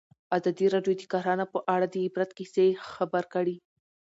ازادي راډیو د کرهنه په اړه د عبرت کیسې خبر کړي.